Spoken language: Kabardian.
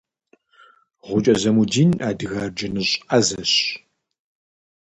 Гъукӏэ Замудин адыгэ арджэныщӏ ӏэзэщ.